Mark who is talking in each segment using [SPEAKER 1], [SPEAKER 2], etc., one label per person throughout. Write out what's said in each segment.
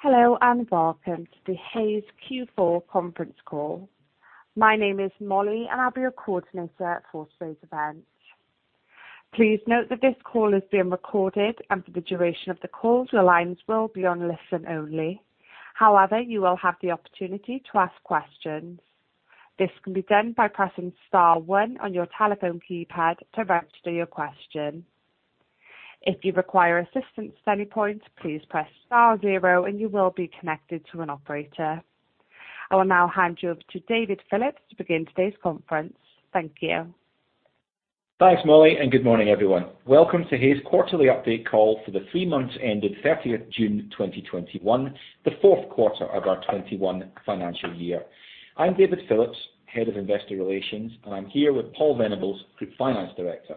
[SPEAKER 1] Hello, welcome to the Hays Q4 Conference Call. My name is Molly, and I'll be your coordinator for today's event. Please note that this call is being recorded, and for the duration of the call your lines will be on listen only. However, you will have the opportunity to ask questions. This can be done by pressing star one on your telephone keypad to register your question. If you require assistance at any point, please press star zero and you will be connected to an operator. I will now hand you over to David Phillips to begin today's conference. Thank you.
[SPEAKER 2] Thanks, Molly, and good morning, everyone. Welcome to Hays' quarterly update call for the three months ending 30th June 2021, the fourth quarter of our 2021 financial year. I'm David Phillips, Head of Investor Relations, and I'm here with Paul Venables, Group Finance Director.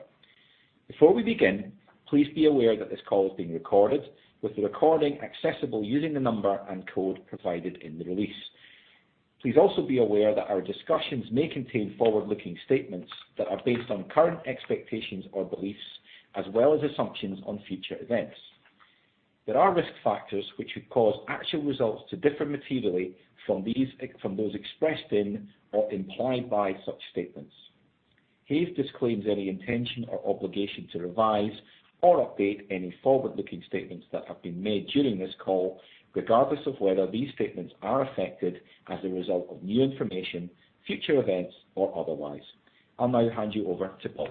[SPEAKER 2] Before we begin, please be aware that this call is being recorded, with the recording accessible using the number and code provided in the release. Please also be aware that our discussions may contain forward-looking statements that are based on current expectations or beliefs, as well as assumptions on future events. There are risk factors which would cause actual results to differ materially from those expressed in or implied by such statements. Hays disclaims any intention or obligation to revise or update any forward-looking statements that have been made during this call, regardless of whether these statements are affected as a result of new information, future events, or otherwise. I'll now hand you over to Paul.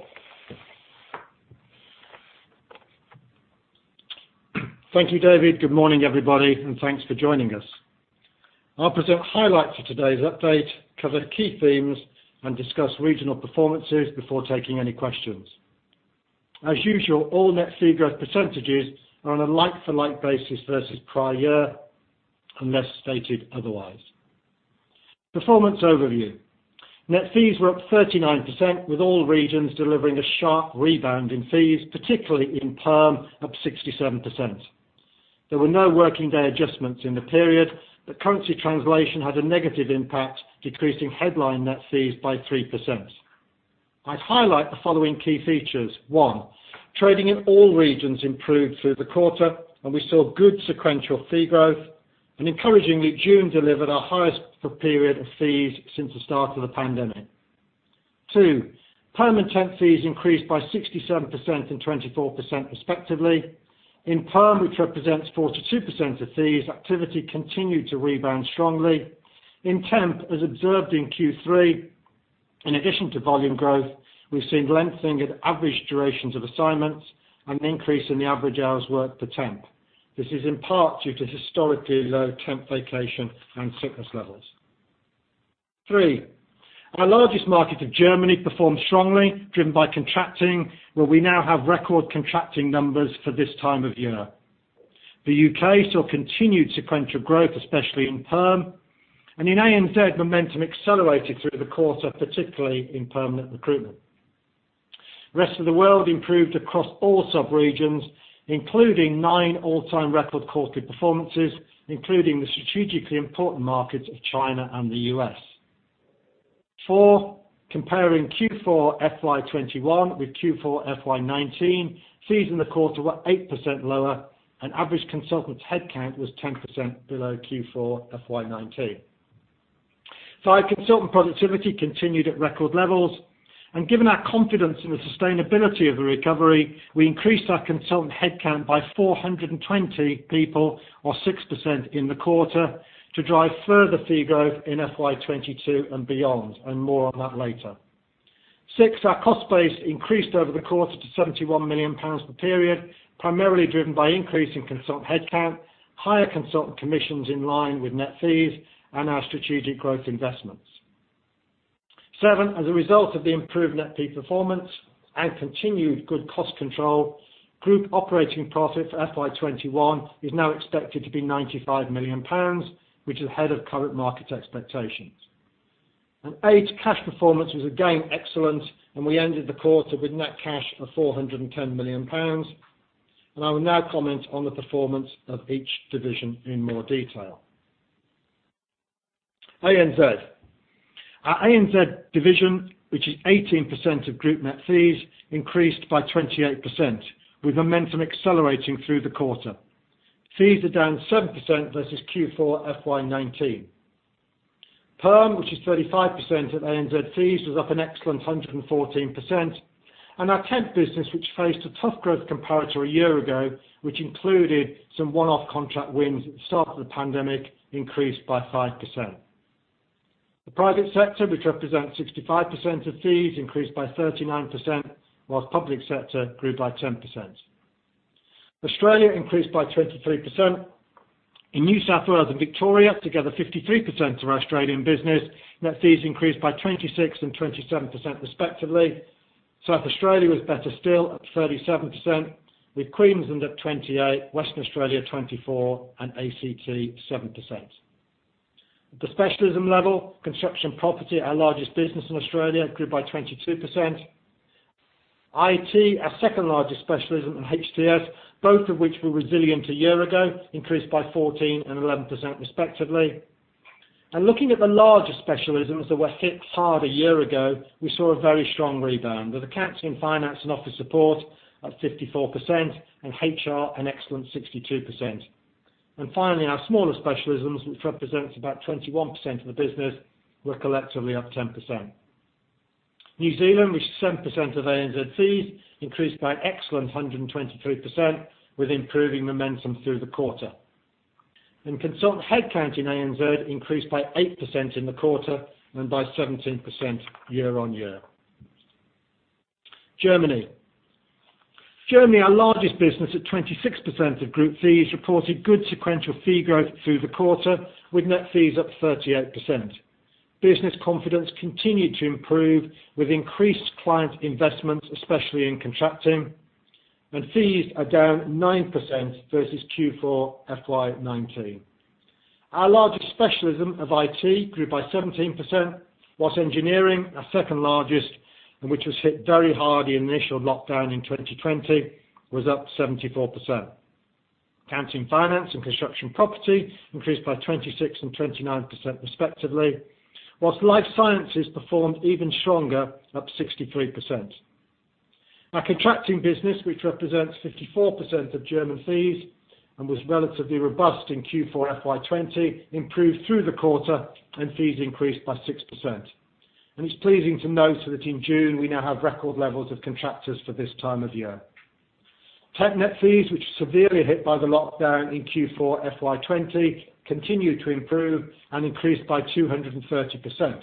[SPEAKER 3] Thank you, David. Good morning, everybody, and thanks for joining us. I'll present highlights of today's update, cover key themes, and discuss regional performances before taking any questions. As usual, all net fee growth percentages are on a like-for-like basis versus prior year, unless stated otherwise. Performance overview. Net fees were up 39%, with all regions delivering a sharp rebound in fees, particularly in Perm, up 67%. There were no working day adjustments in the period. The currency translation had a negative impact, decreasing headline net fees by 3%. I'd highlight the following key features. One, trading in all regions improved through the quarter, and we saw good sequential fee growth. Encouragingly, June delivered our highest Perm period of fees since the start of the pandemic. Two, Perm and Temp fees increased by 67% and 24% respectively. In Perm, which represents 42% of fees, activity continued to rebound strongly. In Temp, as observed in Q3, in addition to volume growth, we've seen lengthening of average durations of assignments and an increase in the average hours worked per temp. This is in part due to historically low temp vacation and sickness levels. Three. Our largest market of Germany performed strongly, driven by contracting, where we now have record contracting numbers for this time of year. The U.K. saw continued sequential growth, especially in Perm. In ANZ, momentum accelerated through the quarter, particularly in Permanent recruitment. Rest of the World improved across all sub-regions, including nine all-time record quarterly performances, including the strategically important markets of China and the U.S.Four. Comparing Q4 FY 2021 with Q4 FY 2019, fees in the quarter were 8% lower, and average consultants headcount was 10% below Q4 FY 2019. Our consultant productivity continued at record levels, given our confidence in the sustainability of the recovery, we increased our consultant headcount by 420 people or 6% in the quarter to drive further fee growth in FY 2022 and beyond, and more on that later. Six, our cost base increased over the quarter to 71 million pounds per period, primarily driven by increase in consultant headcount, higher consultant commissions in line with net fees, and our strategic growth investments. Seven, as a result of the improved net fee performance and continued good cost control, group operating profit for FY 2021 is now expected to be 95 million pounds, which is ahead of current market expectations. Eight, cash performance was again excellent, and we ended the quarter with net cash of 410 million pounds. I will now comment on the performance of each division in more detail. ANZ. Our ANZ division, which is 18% of group net fees, increased by 28%, with momentum accelerating through the quarter. Fees are down 7% versus Q4 FY 2019. Perm, which is 35% of ANZ fees, was up an excellent 114%. Our Temp business, which faced a tough growth comparator a year ago, which included some one-off contract wins at the start of the pandemic, increased by 5%. The private sector, which represents 65% of fees, increased by 39%, whilst public sector grew by 10%. Australia increased by 23%. In New South Wales and Victoria, together 53% of Australian business, net fees increased by 26% and 27% respectively. South Australia was better still at 37%, with Queensland up 28%, Western Australia 24%, and ACT 7%. At the specialism level, construction and property, our largest business in Australia, grew by 22%. IT, our second largest specialism, and HTS, both of which were resilient a year ago, increased by 14% and 11% respectively. Looking at the larger specialisms that were hit hard a year ago, we saw a very strong rebound, with accounting, finance and office support at 54%, and HR an excellent 62%. Finally, our smaller specialisms, which represents about 21% of the business, were collectively up 10%. New Zealand, which is 7% of ANZ fees, increased by excellent 123%, with improving momentum through the quarter. Consult headcount in ANZ increased by 8% in the quarter and by 17% year-on-year. Germany. Germany, our largest business at 26% of group fees, reported good sequential fee growth through the quarter, with net fees up 38%. Business confidence continued to improve with increased client investments, especially in contracting, and fees are down 9% versus Q4 FY 2019. Our largest specialism of IT grew by 17%, whilst Engineering, our second largest, and which was hit very hard in the initial lockdown in 2020, was up 74%. Accounting, Finance and Construction Property increased by 26 and 29% respectively, whilst Life Sciences performed even stronger, up 63%. Our Contracting business, which represents 54% of German fees and was relatively robust in Q4 FY 2020, improved through the quarter and fees increased by 6%. It's pleasing to note that in June, we now have record levels of contractors for this time of year. Temp net fees, which were severely hit by the lockdown in Q4 FY 2020, continued to improve and increased by 230%.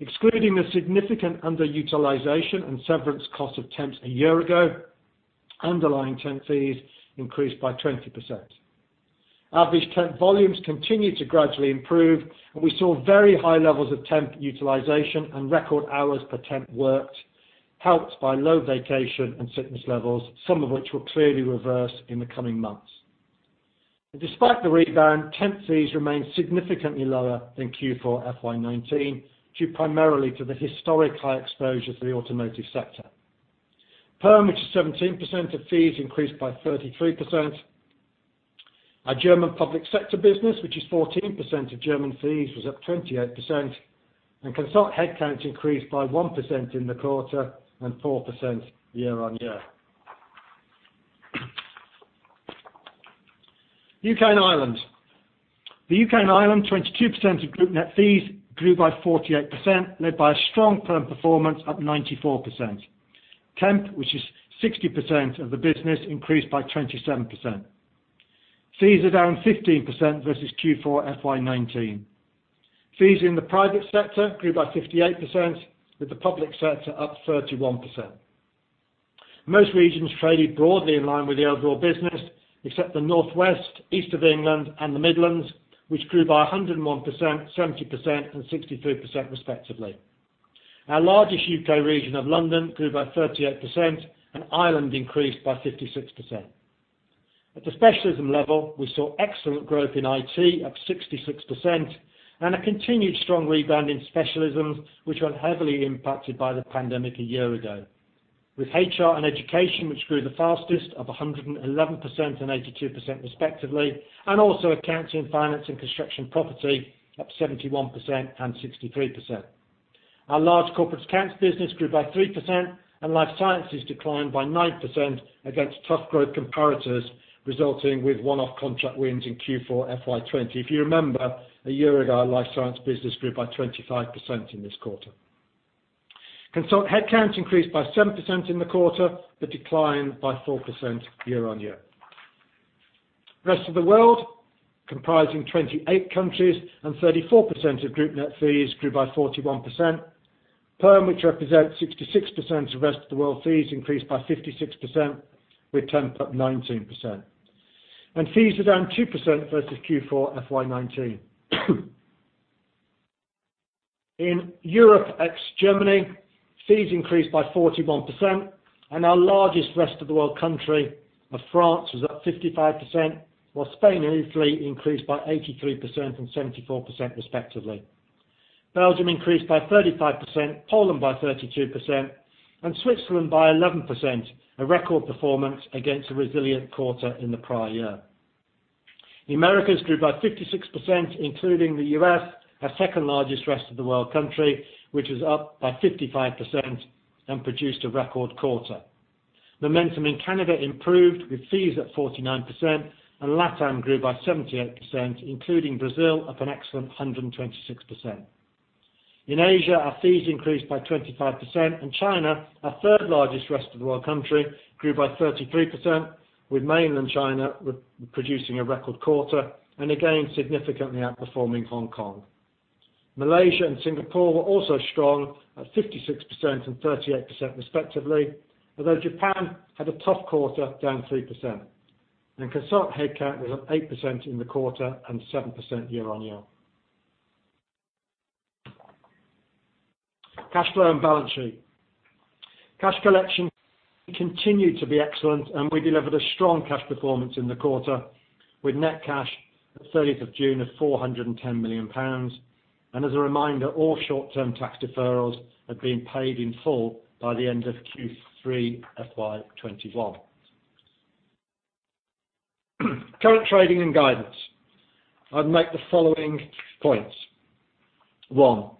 [SPEAKER 3] Excluding the significant underutilization and severance cost of Temps a year ago, underlying Temp fees increased by 20%. Average Temp volumes continued to gradually improve, and we saw very high levels of temp utilization and record hours per temp worked, helped by low vacation and sickness levels, some of which will clearly reverse in the coming months. Despite the rebound, Temp fees remain significantly lower than Q4 FY 2019, due primarily to the historic high exposure to the automotive sector. Perm, which is 17% of fees, increased by 33%. Our German public sector business, which is 14% of German fees, was up 28%, and consult headcount increased by 1% in the quarter and 4% year-on-year. U.K. and Ireland. The U.K. and Ireland, 22% of group net fees, grew by 48%, led by a strong Perm performance, up 94%. Temp, which is 60% of the business, increased by 27%. Fees are down 15% versus Q4 FY 2019. Fees in the private sector grew by 58%, with the public sector up 31%. Most regions traded broadly in line with the overall business, except the Northwest, East of England and the Midlands, which grew by 101%, 70% and 63% respectively. Our largest U.K. region of London grew by 38%, and Ireland increased by 56%. At the specialism level, we saw excellent growth in IT, up 66%, and a continued strong rebound in specialisms which were heavily impacted by the pandemic a year ago. With HR and education which grew the fastest, up 111% and 82% respectively, and also Accounting, Finance and Construction Property up 71% and 63%. Our large corporate accounts business grew by 3%, and Life Sciences declined by 9% against tough growth comparators, resulting with one-off contract wins in Q4 FY 2020. If you remember, a year ago, our Life Sciences business grew by 25% in this quarter. Consult headcount increased by 7% in the quarter, but declined by 4% year-on-year. Rest of the World, comprising 28 countries and 34% of group net fees, grew by 41%. Perm, which represents 66% of Rest of the World fees, increased by 56%, with Temp up 19%. Fees are down 2% versus Q4 FY 2019. In Europe ex-Germany, fees increased by 41% and our largest Rest of the World country of France was up 55%, while Spain and Italy increased by 83% and 74% respectively. Belgium increased by 35%, Poland by 32%, and Switzerland by 11%, a record performance against a resilient quarter in the prior year. The Americas grew by 56%, including the U.S., our second largest Rest of the World country, which was up by 55% and produced a record quarter. Momentum in Canada improved, with fees up 49%, LatAm grew by 78%, including Brazil, up an excellent 126%. In Asia, our fees increased by 25%, China, our third-largest Rest of the World country, grew by 33%, with mainland China producing a record quarter, again, significantly outperforming Hong Kong. Malaysia and Singapore were also strong at 56% and 38% respectively, although Japan had a tough quarter, down 3%. Consult headcount was up 8% in the quarter and 7% year-on-year. Cash flow and balance sheet. Cash collection continued to be excellent and we delivered a strong cash performance in the quarter, with net cash at 30th of June of 410 million pounds. As a reminder, all short-term tax deferrals had been paid in full by the end of Q3 FY 2021. Current trading and guidance. I'd make the following points. One,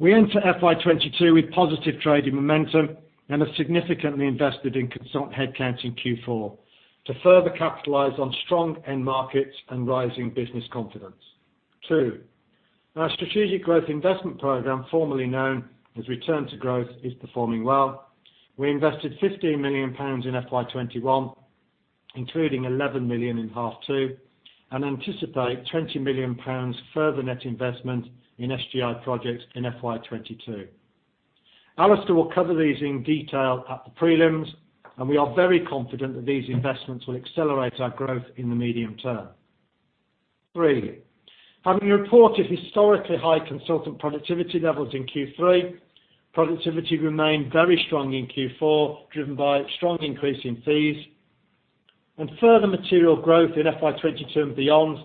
[SPEAKER 3] we enter FY 2022 with positive trading momentum and have significantly invested in consultant headcount in Q4 to further capitalize on strong end markets and rising business confidence. Two, our Strategic Growth Investment program, formerly known as Return to Growth, is performing well. We invested 15 million pounds in FY 2021, including 11 million in half two, and anticipate 20 million pounds further net investment in SGI projects in FY 2022. Alistair will cover these in detail at the prelims, and we are very confident that these investments will accelerate our growth in the medium term. Three, having reported historically high consultant productivity levels in Q3, productivity remained very strong in Q4, driven by strong increase in fees, and further material growth in FY 2022 and beyond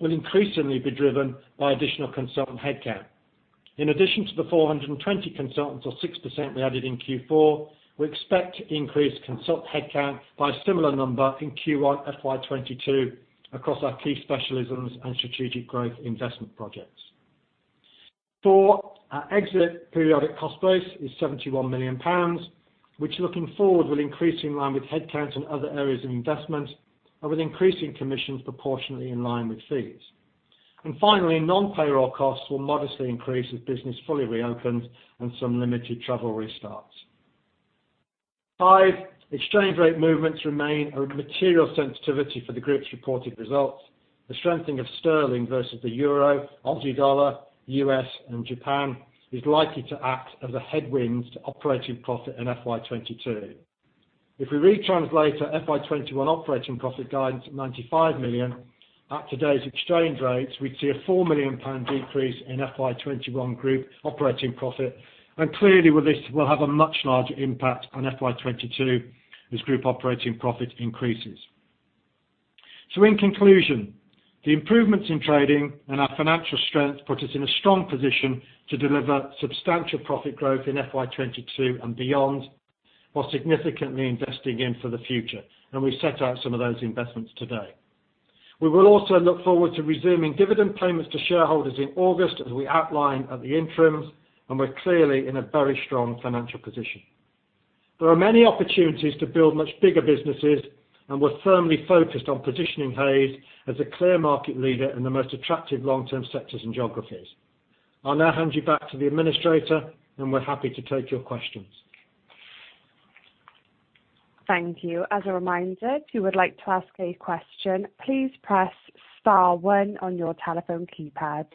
[SPEAKER 3] will increasingly be driven by additional consultant headcount. In addition to the 420 consultants or 6% we added in Q4, we expect increased consultant headcount by similar number in Q1 FY 2022 across our key specialisms and Strategic Growth Investment projects. Four. Our exit periodic cost base is 71 million pounds, which looking forward will increase in line with headcounts and other areas of investment and with increasing commissions proportionately in line with fees. Finally, non-payroll costs will modestly increase as business fully reopens and some limited travel restarts. Five. Exchange rate movements remain a material sensitivity for the group's reported results. The strengthening of sterling versus the euro, Aussie dollar, U.S., and Japan is likely to act as a headwind to operating profit in FY 2022. If we retranslate our FY 2021 operating profit guidance of 95 million at today's exchange rates, we'd see a 4 million pound decrease in FY 2021 group operating profit. Clearly this will have a much larger impact on FY 2022 as group operating profit increases. In conclusion, the improvements in trading and our financial strength put us in a strong position to deliver substantial profit growth in FY 2022 and beyond, while significantly investing in for the future. We set out some of those investments today. We will also look forward to resuming dividend payments to shareholders in August, as we outlined at the interim, and we're clearly in a very strong financial position. There are many opportunities to build much bigger businesses, and we're firmly focused on positioning Hays as a clear market leader in the most attractive long-term sectors and geographies. I'll now hand you back to the administrator, and we're happy to take your questions.
[SPEAKER 1] Thank you. As a reminder, if you would like to ask a question, please press star one on your telephone keypad.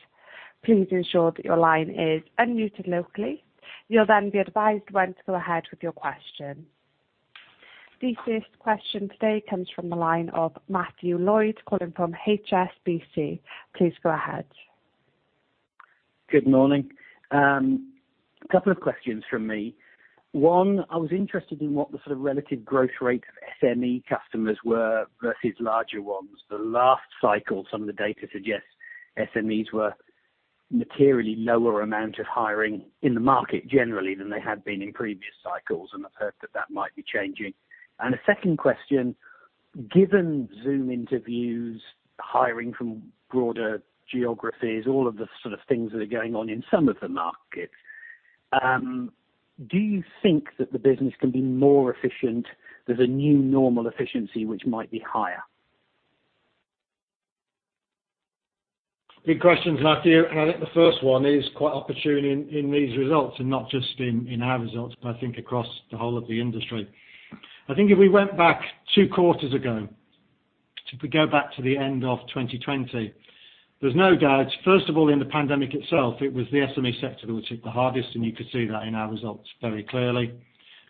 [SPEAKER 1] Please ensure that your line is unmuted locally. You will then be advised when to go ahead with your question. The first question today comes from the line of Matthew Lloyd calling from HSBC. Please go ahead.
[SPEAKER 4] Good morning. Couple of questions from me. One, I was interested in what the sort of relative growth rates of SME customers were versus larger ones. The last cycle, some of the data suggests SMEs were materially lower amount of hiring in the market generally than they had been in previous cycles, and I've heard that that might be changing. A second question, given Zoom interviews, hiring from broader geographies, all of the sort of things that are going on in some of the market, do you think that the business can be more efficient? There's a new normal efficiency which might be higher.
[SPEAKER 3] Big questions, Matthew. I think the first one is quite opportune in these results, and not just in our results, but I think across the whole of the industry. I think if we went back two quarters ago, if we go back to the end of 2020, there's no doubt, first of all, in the pandemic itself, it was the SME sector which hit the hardest, and you could see that in our results very clearly.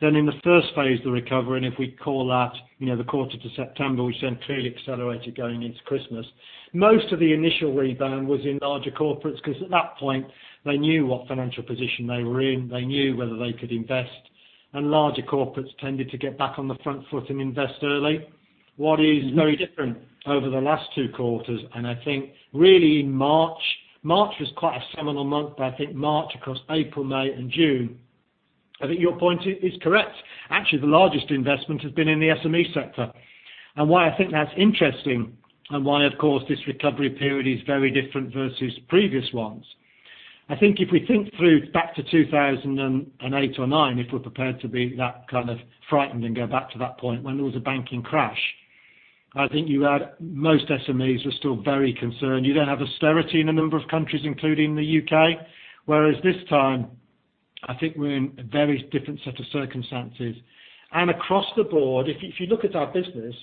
[SPEAKER 3] In the first phase of the recovery, and if we call that the quarter to September, we then clearly accelerated going into Christmas, most of the initial rebound was in larger corporates because at that point, they knew what financial position they were in, they knew whether they could invest, and larger corporates tended to get back on the front foot and invest early. What is very different over the last two quarters, I think really March was quite a seminal month, I think March across April, May, and June, I think your point is correct. Actually, the largest investment has been in the SME sector. Why I think that's interesting and why, of course, this recovery period is very different versus previous ones, I think if we think through back to 2008 or 2009, if we're prepared to be that kind of frightened and go back to that point when there was a banking crash, I think most SMEs are still very concerned. You then have austerity in a number of countries, including the U.K. Whereas this time, I think we're in a very different set of circumstances. Across the board, if you look at our business,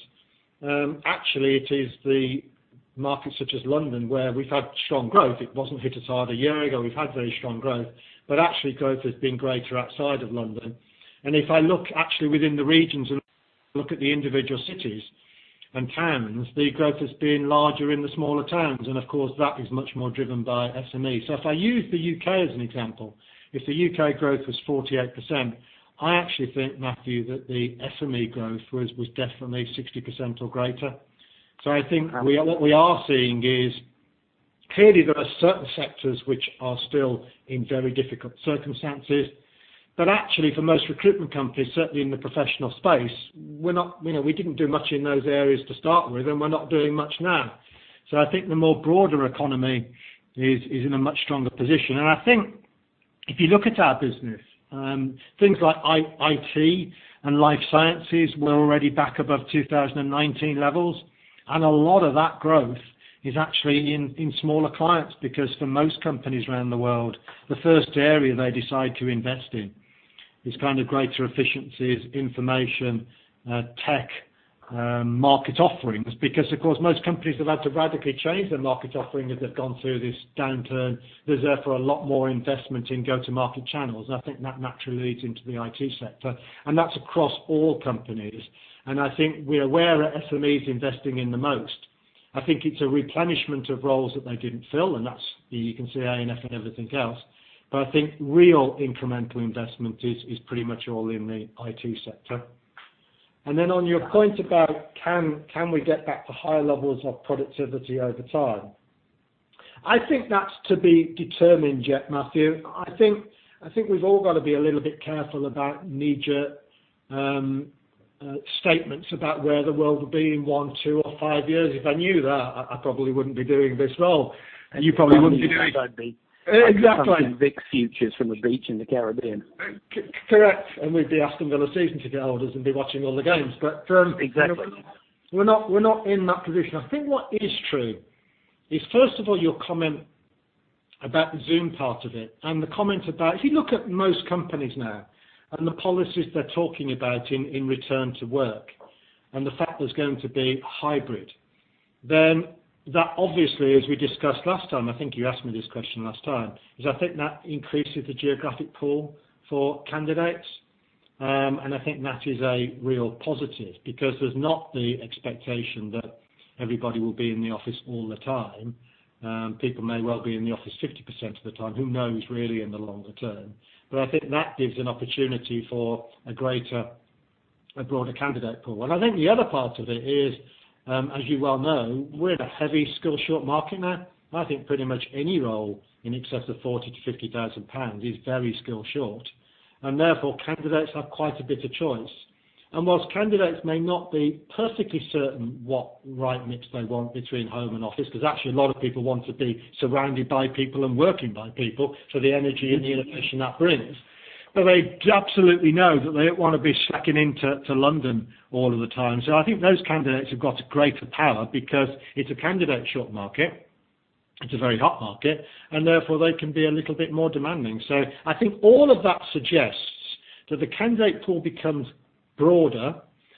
[SPEAKER 3] actually, it is the markets such as London where we've had strong growth. It wasn't hit as hard a year ago. We've had very strong growth, but actually growth has been greater outside of London. If I look actually within the regions and look at the individual cities and towns, the growth has been larger in the smaller towns. Of course, that is much more driven by SME. If I use the U.K. as an example, if the U.K. growth was 48%, I actually think, Matthew, that the SME growth was definitely 60% or greater. I think what we are seeing is, clearly, there are certain sectors which are still in very difficult circumstances. Actually for most recruitment companies, certainly in the professional space, we didn't do much in those areas to start with, and we're not doing much now. I think the more broader economy is in a much stronger position. I think if you look at our business, things like IT and Life Sciences, we're already back above 2019 levels, and a lot of that growth is actually in smaller clients. For most companies around the world, the first area they decide to invest in is greater efficiencies, information, tech, market offerings. Of course, most companies have had to radically change their market offering as they've gone through this downturn. There's therefore a lot more investment in go-to-market channels. I think that naturally leads into the IT sector, and that's across all companies. I think we're aware that SME is investing in the most. I think it's a replenishment of roles that they didn't fill, and that's, you can see A&F and everything else. I think real incremental investment is pretty much all in the IT sector. Then on your point about can we get back to higher levels of productivity over time? I think that's to be determined yet, Matthew. I think we've all got to be a little bit careful about knee-jerk statements about where the world will be in one, two, or five years. If I knew that, I probably wouldn't be doing this role, and you probably wouldn't be doing this.
[SPEAKER 4] You'd probably be somewhere exactly picking big futures from a beach in the Caribbean. Correct. with the Aston Villa season ticket holders and be watching all the games. Exactly. We're not in that position. I think what is true is, first of all, your comment about the Zoom part of it and the comment about if you look at most companies now and the policies they're talking about in return to work, and the fact there's going to be hybrid, then that obviously, as we discussed last time, I think you asked me this question last time, is I think that increases the geographic pool for candidates. I think that is a real positive because there's not the expectation that everybody will be in the office all the time. People may well be in the office 50% of the time. Who knows really in the longer term? I think that gives an opportunity for a greater, a broader candidate pool.
[SPEAKER 3] I think the other part of it is, as you well know, we're in a heavy skill short market now. I think pretty much any role in excess of 40,000-50,000 pounds is very skill short, and therefore, candidates have quite a bit of choice. Whilst candidates may not be perfectly certain what right mix they want between home and office, because actually a lot of people want to be surrounded by people and working by people for the energy and the efficiency that brings. They absolutely know that they don't want to be shackling to London all of the time. I think those candidates have got a greater power because it's a candidate short market. It's a very hot market, and therefore they can be a little bit more demanding. I think all of that suggests that the candidate pool becomes broader,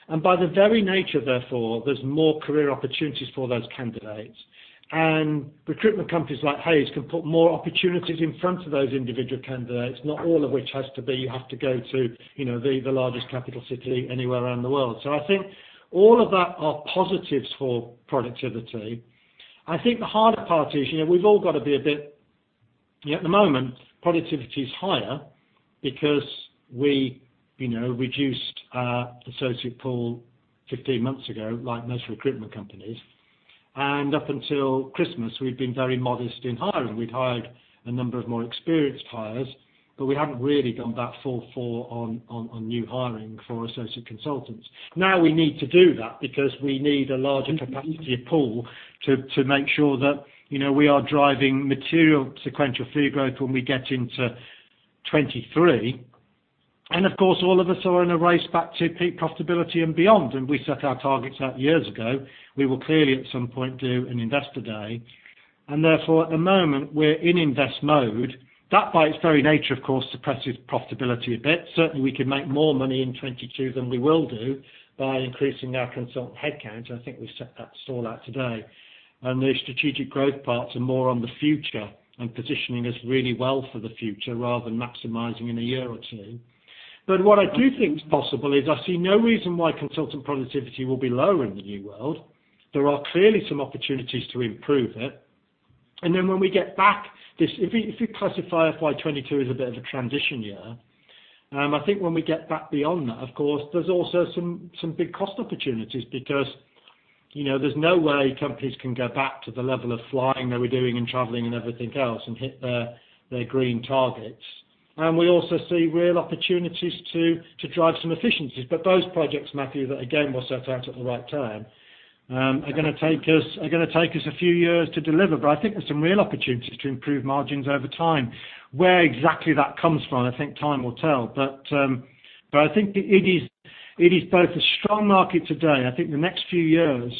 [SPEAKER 3] and by their very nature, therefore, there's more career opportunities for those candidates. Recruitment companies like Hays can put more opportunities in front of those individual candidates, not all of which has to be, you have to go to the largest capital city anywhere around the world. I think all of that are positives for productivity. At the moment, productivity is higher because we reduced our associate pool 15 months ago, like most recruitment companies. Up until Christmas, we've been very modest in hiring. We'd hired a number of more experienced hires, but we haven't really gone that far on new hiring for associate consultants. Now we need to do that because we need a large and competitive pool to make sure that we are driving material sequential fee growth when we get into 2023. Of course, all of us are in a race back to peak profitability and beyond. We set our targets out years ago. We will clearly at some point do an Investor Day, and therefore at the moment we're in invest mode. That, by its very nature, of course, suppresses profitability a bit. Certainly, we can make more money in 2022 than we will do by increasing our consultant headcount. I think we set that stall out today. The strategic growth parts are more on the future and positioning us really well for the future rather than maximizing in a year or two. What I do think is possible is I see no reason why consultant productivity will be lower in the new world. There are clearly some opportunities to improve it. Then when we get back, if we classify FY 2022 as a bit of a transition year, I think when we get back beyond that, of course, there's also some big cost opportunities because there's no way companies can go back to the level of flying they were doing and traveling and everything else and hit their green targets. We also see real opportunities to drive some efficiencies. Both projects, Matthew, that again, we'll set out at the right time, are going to take us a few years to deliver. I think there's some real opportunities to improve margins over time. Where exactly that comes from, I think time will tell. I think it is both a strong market today, and I think the next few years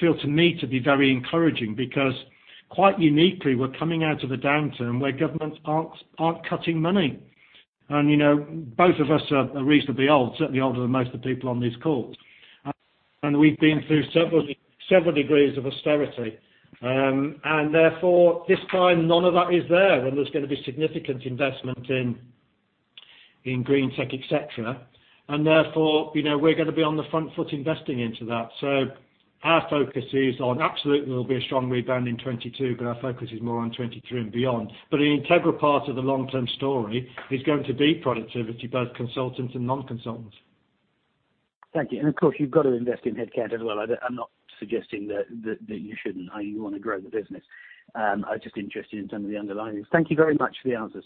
[SPEAKER 3] feel to me to be very encouraging because quite uniquely, we're coming out of a downturn where governments aren't cutting money. Both of us are reasonably old, certainly older than most of the people on this call. We've been through several degrees of austerity. Therefore, this time none of that is there, and there's going to be significant investment in green tech, et cetera. Therefore, we're going to be on the front foot investing into that. Our focus is on absolutely there'll be a strong rebound in 2022, but our focus is more on 2023 and beyond. An integral part of the long-term story is going to be productivity, both consultants and non-consultants.
[SPEAKER 4] Thank you. Of course, you've got to invest in head count as well. I'm not suggesting that you shouldn't, or you want to grow the business. I'm just interested in terms of the underlying. Thank you very much for the answers.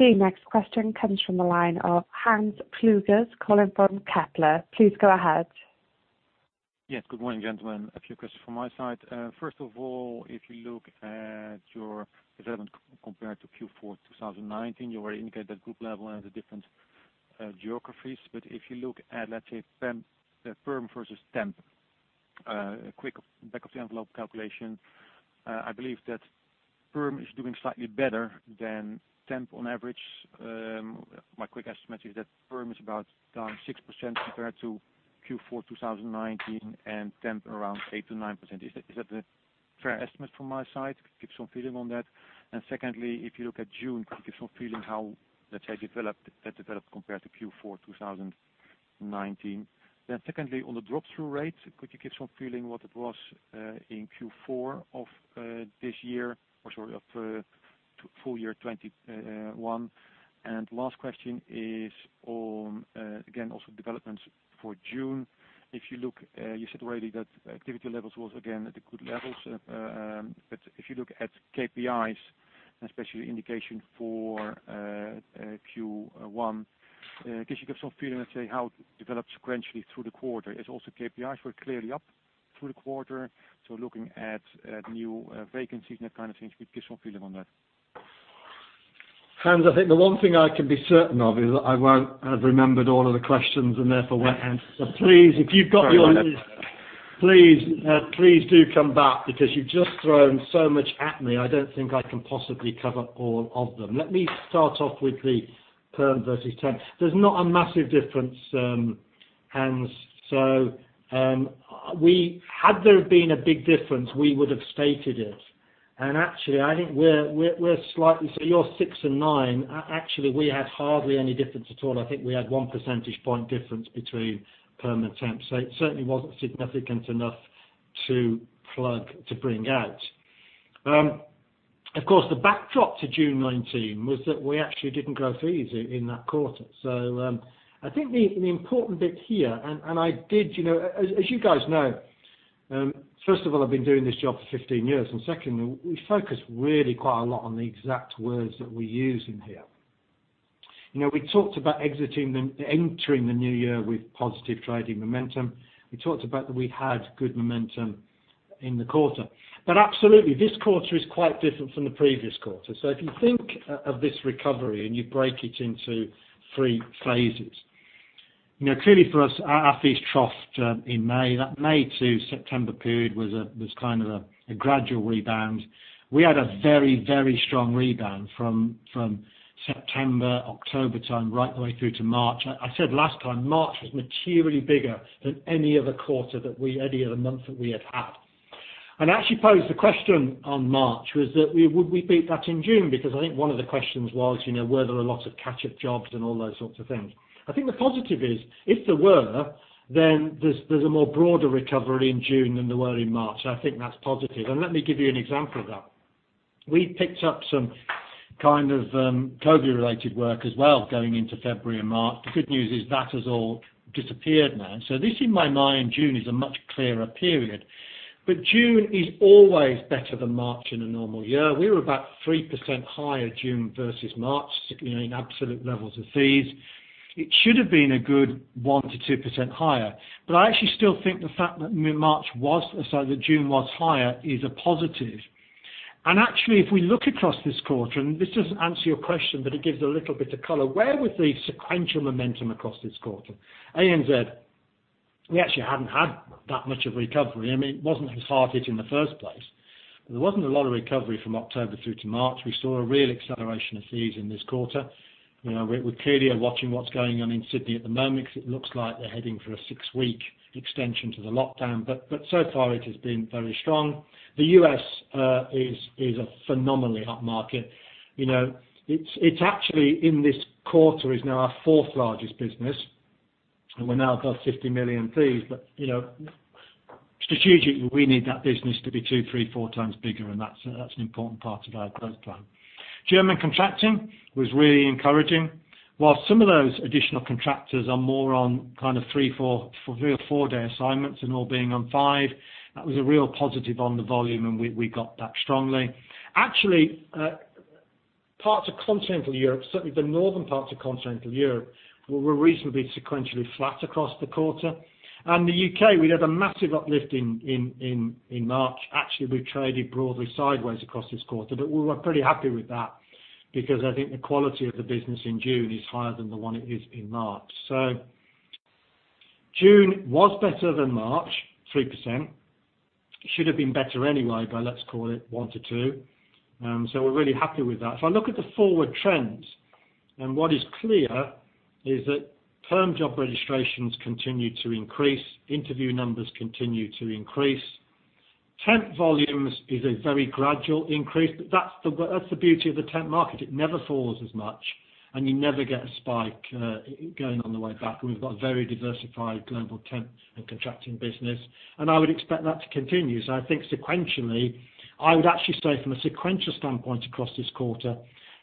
[SPEAKER 1] The next question comes from the line of Hans Pluijgers, calling from Kepler. Please go ahead.
[SPEAKER 5] Yes. Good morning, gentlemen. A few questions from my side. First of all, if you look at your development compared to Q4 2019, you already indicated group level and the different geographies. If you look at, let's say, Perm versus Temp, a quick back-of-the-envelope calculation, I believe that Perm is doing slightly better than Temp on average. My quick estimate is that Perm is about down 6% compared to Q4 2019, and Temp around 8%-9%. Is that a fair estimate from my side? Give some feeling on that. Secondly, if you look at June, can you give some feeling how, let's say, developed compared to Q4 2019? Secondly, on the drop-through rate, could you give some feeling what it was in Q4 of this year, or sorry, of full year 2021? Last question is on, again, also developments for June. You said already that activity levels was again at the good levels. If you look at KPIs, especially indication for Q1, can you give some feeling on, say, how it developed sequentially through the quarter? As also KPIs were clearly up through the quarter, so looking at new vacancies and that kind of thing, if you could give some feeling on that.
[SPEAKER 3] Hans, I think the one thing I can be certain of is I won't have remembered all of the questions and therefore won't answer. Please, if you've got.
[SPEAKER 5] Sorry. Please do come back because you've just thrown so much at me, I don't think I can possibly cover all of them. Let me start off with the Perm versus Temp. There's not a massive difference, Hans. Had there been a big difference, we would've stated it. Actually, your 6% and 9%, actually, we had hardly any difference at all. I think we had 1 percentage point difference between Perm and Temp. It certainly wasn't significant enough to plug, to bring out. Of course, the backdrop to June 2019 was that we actually didn't grow fees in that quarter. I think the important bit here, and as you guys know, first of all, I've been doing this job for 15 years, and secondly, we focus really quite a lot on the exact words that we use in here.
[SPEAKER 3] We talked about entering the new year with positive trading momentum. We talked about that we had good momentum in the quarter. Absolutely, this quarter is quite different from the previous quarter. If you think of this recovery and you break it into three phases. Clearly for us at this trough in May, that May to September period was kind of a gradual rebound. We had a very strong rebound from September, October time, right the way through to March. I said last time, March was materially bigger than any other month that we had had. Actually posed the question on March was that would we beat that in June? I think one of the questions was, were there a lot of catch-up jobs and all those sorts of things. I think the positive is, if there were, then there's a more broader recovery in June than there were in March, and I think that's positive. Let me give you an example of that. We picked up some kind of COVID-related work as well going into February and March. The good news is that has all disappeared now. This is my mind, June is a much clearer period. June is always better than March in a normal year. We were about 3% higher June versus March, sitting in absolute levels of fees. It should've been a good 1%-2% higher. I actually still think the fact that March was, sorry, that June was higher is a positive. Actually, if we look across this quarter, and this doesn't answer your question, but it gives a little bit of color, where was the sequential momentum across this quarter? ANZ, we actually haven't had that much of a recovery. I mean, it wasn't hard hit in the first place. There wasn't a lot of recovery from October through to March. We saw a real acceleration of fees in this quarter. We clearly are watching what's going on in Sydney at the moment because it looks like they're heading for a six-week extension to the lockdown. So far it has been very strong. The U.S. is a phenomenally hot market. It's actually in this quarter is now our fourth largest business, and we're now above 50 million fees. Strategically, we need that business to be two, three, four times bigger, and that's an important part of our growth plan. German contracting was really encouraging. Whilst some of those additional contractors are more on kind of three or four-day assignments than all being on five, that was a real positive on the volume, and we got that strongly. Actually, parts of continental Europe, certainly the northern parts of continental Europe, were reasonably sequentially flat across the quarter. The U.K., we had a massive uplift in March. Actually, we traded broadly sideways across this quarter. We were pretty happy with that because I think the quality of the business in June is higher than the one it is in March. June was better than March, 3%. Should've been better anyway by let's call it 1 to 2. We're really happy with that. If I look at the forward trends, what is clear is that Perm job registrations continue to increase. Interview numbers continue to increase. Temp volumes is a very gradual increase, that's the beauty of the temp market. It never falls as much, you never get a spike going on the way back. We've got a very diversified global temp and contracting business, I would expect that to continue. I think sequentially, I would actually say from a sequential standpoint across this quarter,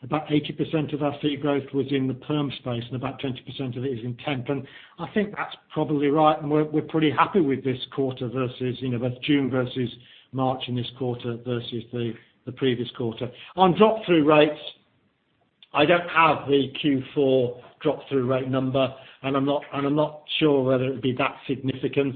[SPEAKER 3] about 80% of our fee growth was in the Perm space and about 20% of it is in Temp. I think that's probably right, and we're pretty happy with this quarter June versus March in this quarter versus the previous quarter. On drop-through rates, I don't have the Q4 drop-through rate number, and I'm not sure whether it'd be that significant.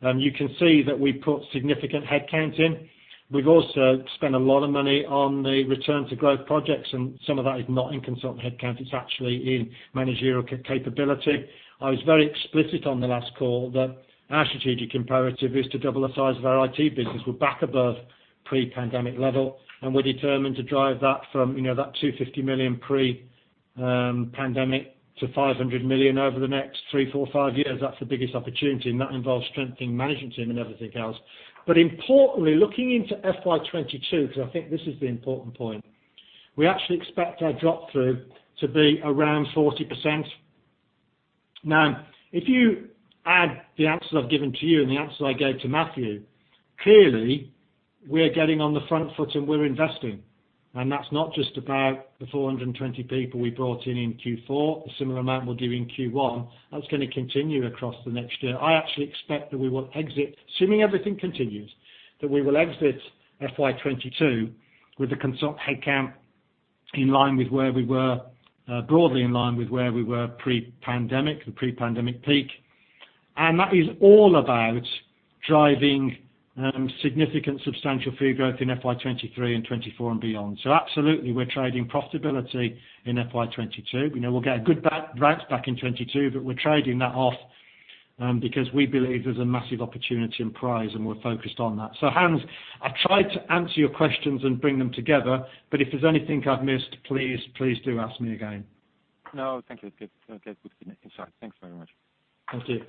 [SPEAKER 3] You can see that we put significant headcount in. We've also spent a lot of money on the Return to Growth projects, and some of that is not in consult headcount, it's actually in managerial capability. I was very explicit on the last call that our strategic imperative is to double the size of our IT business. We're back above pre-pandemic level, and we're determined to drive that from that 250 million pre-pandemic to 500 million over the next three, four, five years. That's the biggest opportunity, and that involves strengthening management and everything else. Importantly, looking into FY 2022, because I think this is the important point, we actually expect our drop-through to be around 40%. Now, if you add the answers I've given to you and the answers I gave to Matthew, clearly, we're getting on the front foot and we're investing. That's not just about the 420 people we brought in in Q4, a similar amount we'll do in Q1. That's going to continue across the next year. I actually expect that we will exit, assuming everything continues, that we will exit FY 2022 with the consult headcount broadly in line with where we were pre-pandemic, the pre-pandemic peak. That is all about driving significant substantial fee growth in FY 2023 and 2024 and beyond. Absolutely, we're trading profitability in FY 2022. We know we'll get good [ranks] back in 2022, but we're trading that off because we believe there's a massive opportunity and prize, and we're focused on that. Hans, I tried to answer your questions and bring them together, but if there's anything I've missed, please do ask me again.
[SPEAKER 5] No, I think it was good. I guess we can make it short. Thanks very much.
[SPEAKER 3] Thank you.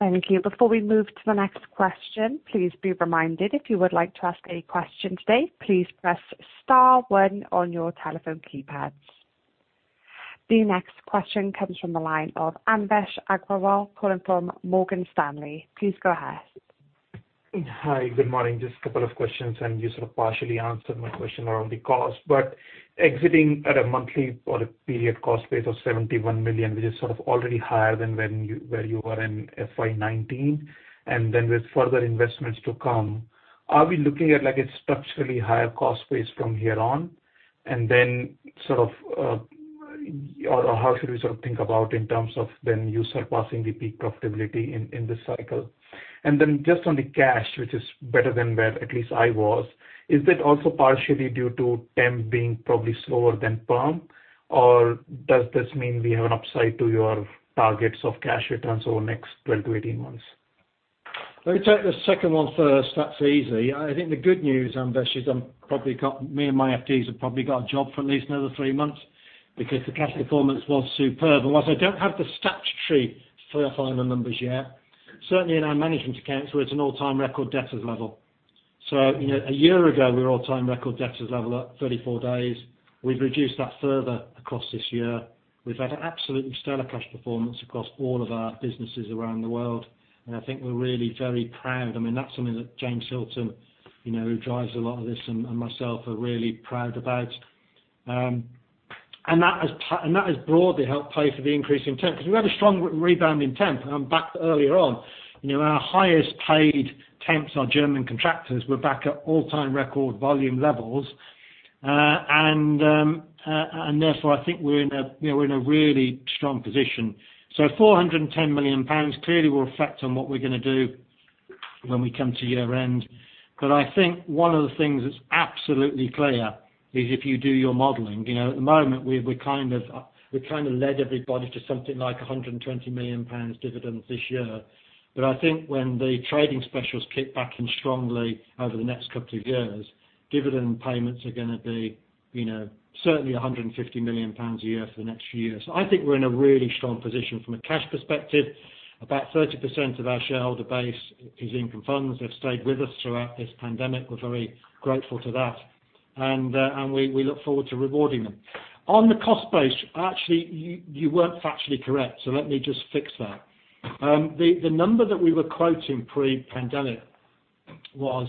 [SPEAKER 1] Thank you. Before we move to the next question, please be reminded, if you would like to ask a question today, please press star one on your telephone keypads. The next question comes from the line of Anvesh Agrawal calling from Morgan Stanley. Please go ahead.
[SPEAKER 6] Hi, good morning. Just a couple of questions, you sort of partially answered my question around the cost. Exiting at a monthly or a period cost base of 71 million, which is sort of already higher than where you were in FY 2019, with further investments to come, are we looking at a structurally higher cost base from here on? How should we sort of think about in terms of then you surpassing the peak profitability in this cycle? Just on the cash, which is better than where at least I was, is it also partially due to Temp being probably slower than Perm, or does this mean we have an upside to your targets of cash returns over the next 12-18 months?
[SPEAKER 3] Let me take the second one first. That's easy. I think the good news, Anvesh, is me and my FDs have probably got a job for at least another three months because the cash performance was superb. Whilst I don't have the statutory [305 numbers] yet, certainly in our management accounts, we're at an all-time record debtors level. A year ago, we were all-time record debtors level at 34 days. We've reduced that further across this year. We've had absolutely stellar cash performance across all of our businesses around the world, and I think we're really very proud. That's something that James Hilton, who drives a lot of this, and myself are really proud about. That has broadly helped pay for the increase in Temp. Because we had a strong rebound in Temp. Back earlier on, our highest-paid temps, our German contractors, were back at all-time record volume levels. Therefore, I think we're in a really strong position. 410 million pounds clearly will reflect on what we're going to do when we come to year-end. I think one of the things that's absolutely clear is if you do your modeling, at the moment, we've kind of led everybody to something like 120 million pounds dividends this year. I think when the trading specials kick back in strongly over the next couple of years, dividend payments are going to be certainly 150 million pounds a year for the next few years. I think we're in a really strong position from a cash perspective. About 30% of our shareholder base is income funds. They've stayed with us throughout this pandemic. We're very grateful to that, and we look forward to rewarding them. On the cost base, actually, you weren't factually correct. Let me just fix that. The number that we were quoting pre-pandemic was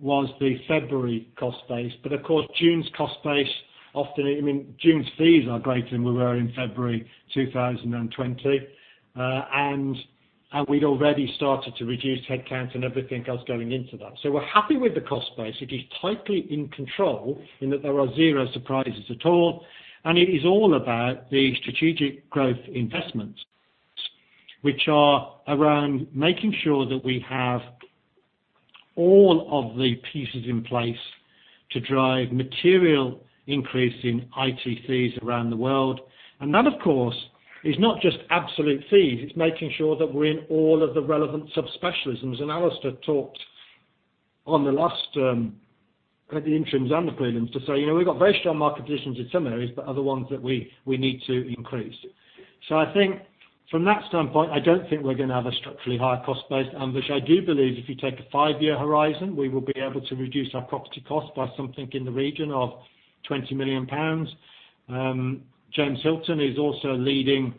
[SPEAKER 3] the February cost base. Of course, June's cost base, often, June's fees are greater than we were in February 2020. We'd already started to reduce headcount and everything else going into that. We're happy with the cost base. It is tightly in control in that there are zero surprises at all, and it is all about the strategic growth investments. These are around making sure that we have all of the pieces in place to drive material increase in IT fees around the world. That, of course, is not just absolute fees, it's making sure that we're in all of the relevant subspecialisms. Alistair talked on the last, at the interims and the prelims, to say we've got very strong market positions in some areas, but other ones that we need to increase. I think from that standpoint, I don't think we're going to have a structurally higher cost base. Which I do believe if you take a five-year horizon, we will be able to reduce our property cost by something in the region of 20 million pounds. James Hilton is also leading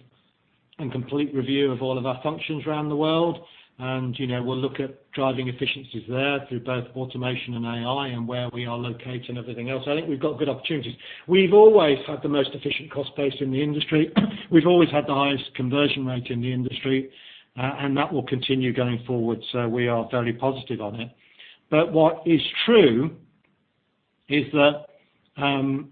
[SPEAKER 3] a complete review of all of our functions around the world, and we'll look at driving efficiencies there through both automation and AI and where we are located and everything else. I think we've got good opportunities. We've always had the most efficient cost base in the industry. We've always had the highest conversion rate in the industry. That will continue going forward. We are very positive on it. What is true is that in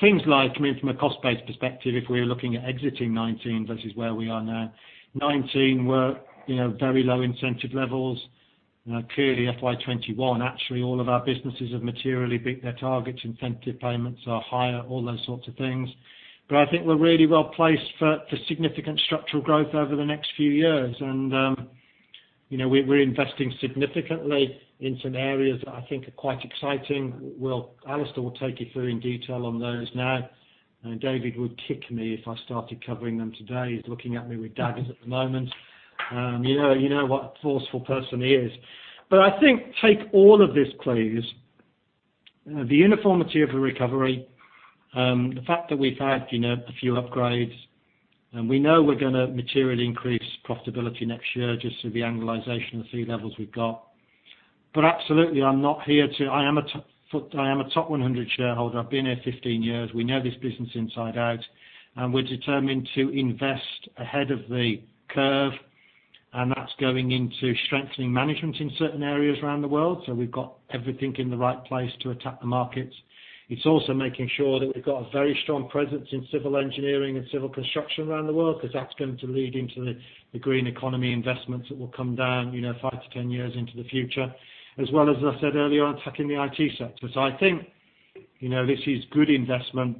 [SPEAKER 3] things like, coming from a cost base perspective, if we are looking at exiting 2019 versus where we are now, 2019 were very low incentive levels. Clearly FY 2021, actually, all of our businesses have materially beat their targets. Incentive payments are higher, all those sorts of things. I think we're really well-placed for significant structural growth over the next few years. We're investing significantly in some areas that I think are quite exciting. Alistair will take you through in detail on those now. I know David would kick me if I started covering them today. He's looking at me with daggers at the moment. You know what a forceful person he is. I think, take all of this, please. The uniformity of the recovery, the fact that we've had a few upgrades, and we know we're going to materially increase profitability next year just through the annualization of the fee levels we've got. Absolutely, I am a top 100 shareholder. I've been here 15 years. We know this business inside out, and we're determined to invest ahead of the curve, and that's going into strengthening management in certain areas around the world. We've got everything in the right place to attack the markets. It's also making sure that we've got a very strong presence in civil engineering and civil construction around the world, because that's going to lead into the green economy investments that will come down 5-10 years into the future. As well as, I said earlier, on attacking the IT sector. I think this is good investment.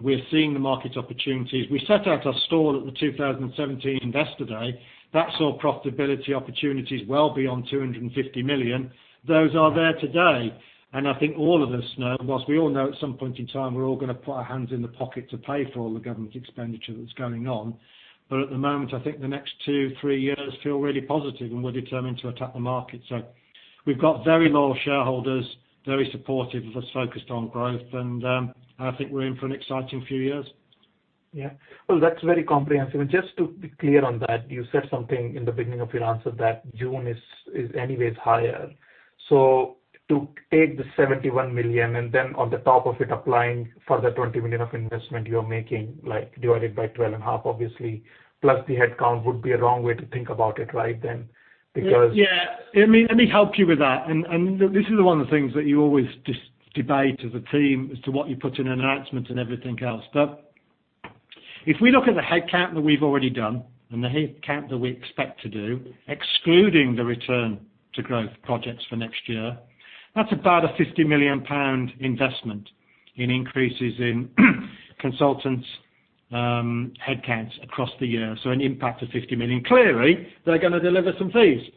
[SPEAKER 3] We're seeing the market opportunities. We set out our stall at the 2017 Investor Day. That saw profitability opportunities well beyond 250 million. Those are there today. I think all of us know, whilst we all know at some point in time, we're all going to put our hands in the pocket to pay for all the government expenditure that's going on. At the moment, I think the next two, three years feel really positive, and we're determined to attack the market. We've got very loyal shareholders, very supportive of us, focused on growth, and I think we're in for an exciting few years.
[SPEAKER 6] Well, that's very comprehensive. Just to be clear on that, you said something in the beginning of your answer that June is anyways higher. To take the 71 million and then on the top of it applying further 20 million of investment you're making, like divided by 12.5, obviously, plus the headcount would be a wrong way to think about it, right then?
[SPEAKER 3] Yeah. Let me help you with that. This is one of the things that you always just debate as a team as to what you put in an announcement and everything else. If we look at the headcount that we've already done and the headcount that we expect to do, excluding the Return to Growth projects for next year, that's about a 50 million pound investment in increases in consultants' headcounts across the year. An impact of 50 million. Clearly, they're going to deliver some fees.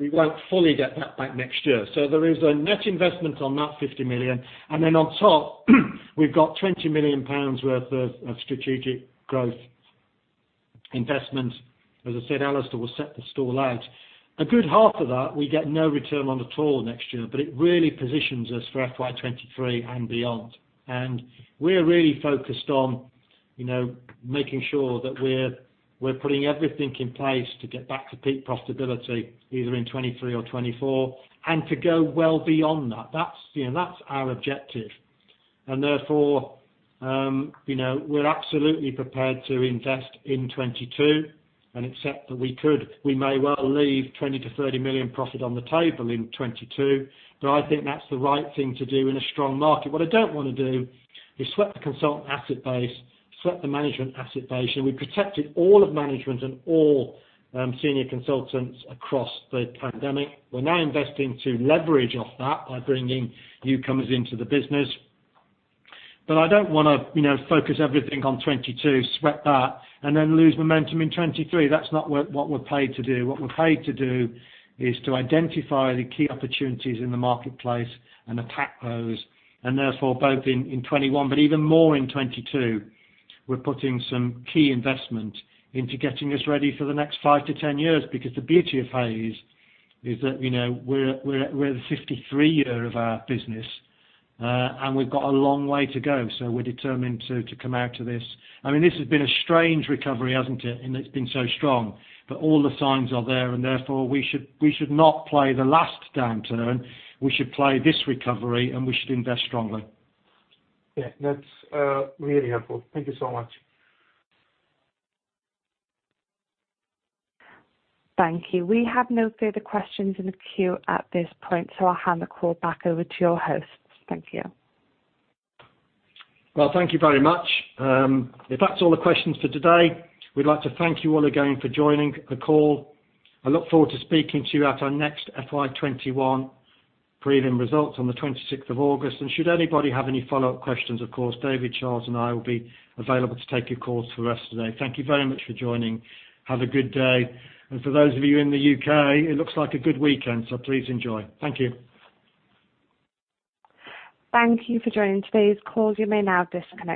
[SPEAKER 3] We won't fully get that back next year. There is a net investment on that 50 million, and on top, we've got 20 million pounds worth of Strategic Growth Investment. As I said, Alistair will set the stall out. A good half of that we get no return on at all next year, but it really positions us for FY 2023 and beyond. We are really focused on making sure that we're putting everything in place to get back to peak profitability, either in 2023 or 2024, and to go well beyond that. That's our objective. Therefore, we're absolutely prepared to invest in 2022 and accept that we may well leave 20 million-30 million profit on the table in 2022. I think that's the right thing to do in a strong market. What I don't want to do is sweat the consultant asset base, sweat the management asset base. You know, we protected all of management and all senior consultants across the pandemic. We're now investing to leverage off that by bringing newcomers into the business. I don't want to focus everything on 2022, sweat that, and then lose momentum in 2023. That's not what we're paid to do. What we're paid to do is to identify the key opportunities in the marketplace and attack those, and therefore, both in 2021 but even more in 2022, we're putting some key investment into getting us ready for the next 5-10 years. The beauty of Hays is that we're at the 53-year of our business, and we've got a long way to go. We're determined to come out of this. I mean, this has been a strange recovery, hasn't it? In that it's been so strong. All the signs are there and therefore, we should not play the last downturn. We should play this recovery, and we should invest strongly.
[SPEAKER 6] Yeah. That's really helpful. Thank you so much.
[SPEAKER 1] Thank you. We have no further questions in the queue at this point, so I'll hand the call back over to your host. Thank you.
[SPEAKER 3] Well, thank you very much. If that's all the questions for today, we'd like to thank you all again for joining the call. I look forward to speaking to you at our next FY 2021 prelim results on the 26th of August. Should anybody have any follow-up questions, of course, David, Charles, and I will be available to take your calls the rest of the day. Thank you very much for joining. Have a good day. For those of you in the U.K., it looks like a good weekend, so please enjoy. Thank you.
[SPEAKER 1] Thank you for joining today's call. You may now disconnect.